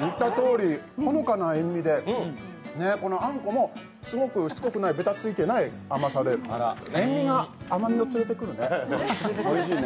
言ったとおり、ほのかな塩みであんこもしつこくない、べたついていない甘さで塩みが甘みをつれてくるねおいしいね。